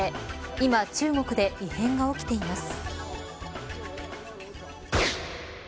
今、中国で異変が起きています。